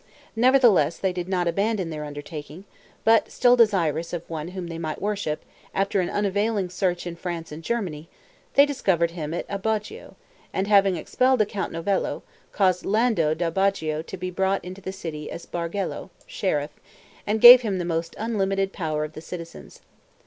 Nevertheless they did not abandon their undertaking, but still desirous of one whom they might worship, after an unavailing search in France and Germany, they discovered him at Agobbio, and having expelled the Count Novello, caused Lando d'Agobbio to be brought into the city as Bargello (sheriff), and gave him the most unlimited power of the citizens.